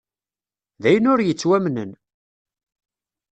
D ayen ur yettwamnen!